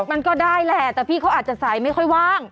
มันก็ได้แหละแต่พี่เขาอาจจะใส่ไม่ค่อยว่าง